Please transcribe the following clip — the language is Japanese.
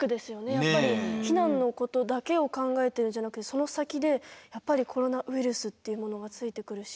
やっぱり避難のことだけを考えてるんじゃなくてその先でやっぱりコロナウイルスっていうものがついてくるし。